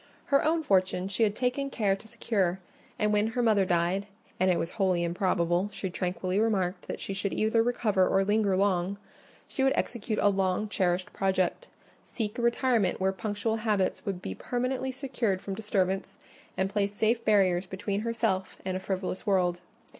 Her own fortune she had taken care to secure; and when her mother died—and it was wholly improbable, she tranquilly remarked, that she should either recover or linger long—she would execute a long cherished project: seek a retirement where punctual habits would be permanently secured from disturbance, and place safe barriers between herself and a frivolous world.